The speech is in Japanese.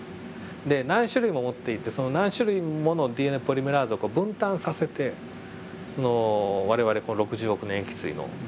何種類も持っていてその何種類ものＤＮＡポリメラーゼを分担させて我々６０億の塩基対のＤＮＡを複製していくんですね。